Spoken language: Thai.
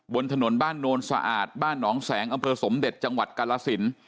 บนถนนบ้านโนนสะอาดบ้านหนองแสงอำเภอสมเด็จจังหวัดกาลสิน